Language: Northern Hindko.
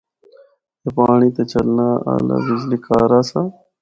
اے پانڑی تے چلنا آلہ بجلی کہر آسا۔